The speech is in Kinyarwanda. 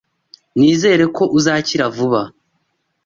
Nizere ko uzakira vuba.